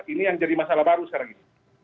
ini yang jadi masalah baru sekarang ini